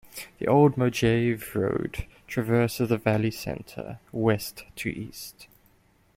The Old Mojave Road traverses the valley center, west to east.